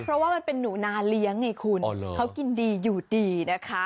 เพราะว่ามันเป็นหนูนาเลี้ยงไงคุณเขากินดีอยู่ดีนะคะ